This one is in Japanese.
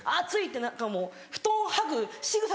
って何かもう布団はぐ